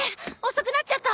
遅くなっちゃった。